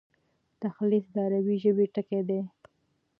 تلخیص د عربي ژبي ټکی دﺉ.